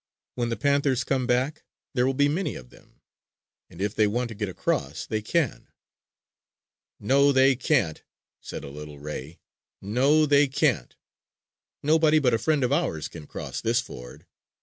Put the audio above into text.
When the panthers come back there will be many of them; and if they want to get across they can." "No they can't," said a little ray. "No they can't! Nobody but a friend of ours can cross this ford!"